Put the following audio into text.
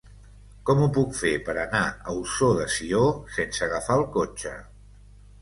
Com ho puc fer per anar a Ossó de Sió sense agafar el cotxe?